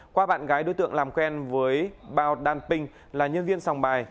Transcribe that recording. qua bạn gái đối tượng làm quen với bao dan ping là nhân viên sòng bài